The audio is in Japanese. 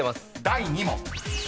［第２問］